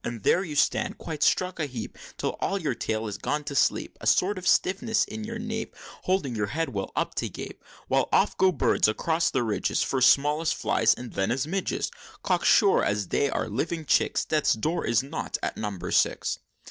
So there you stand, quite struck a heap, Till all your tail is gone to sleep; A sort of stiffness in your nape, Holding your head well up to gape; While off go birds across the ridges, First small as flies, and then as midges, Cocksure, as they are living chicks, Death's Door is not at Number Six!"